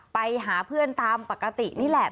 ไปหาเพื่อนตามปกตินี่แหละ